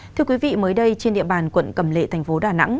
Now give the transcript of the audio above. thưa quý vị mới đây trên địa bàn quận cầm lệ tp đà nẵng